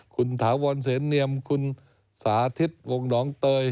คุณถาวรเสนเนียมคุณสาธิตวงหนองเตย